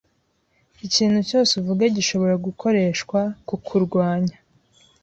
Ikintu cyose uvuga gishobora gukoreshwa kukurwanya.